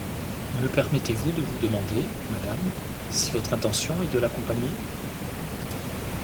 Me permettez-vous de vous demander, madame, si votre intention est de l’accompagner?